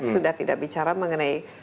sudah tidak bicara mengenai